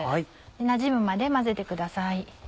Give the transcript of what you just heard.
なじむまで混ぜてください。